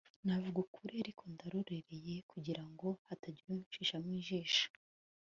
navuga ukuri ariko ndarorereye kugira ngo hatagira unshishamo ijisho